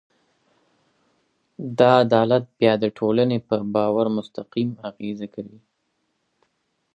دا عدالت بیا د ټولنې پر باور مستقیم اغېز کوي.